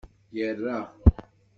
Yerra.